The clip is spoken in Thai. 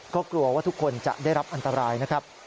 ก็กลัวว่าทุกคนจะได้รับอันตรายนะครับ